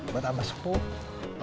buat aba sepuh